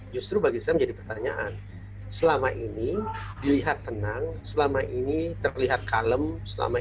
justru bagi saya menjadi pertanyaan selama ini dilihat tenang selama ini terlihat kalem selama